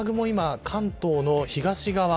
今、関東の東側。